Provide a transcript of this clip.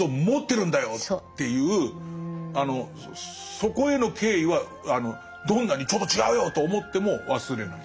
そこへの敬意はどんなに「ちょっと違うよ」と思っても忘れない。